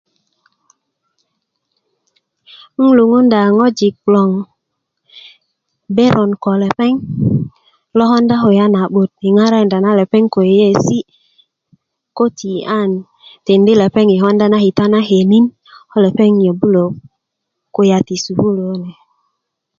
'n luŋunda ŋojik loŋ beron ko lepeŋ lo konda kulya na'but lo ŋarakinda na lepeŋ ko yeiyesi köti an tikindi lepeŋ i konda na kita na konin ko lepeŋ nyobulo kulya ti sukulu kune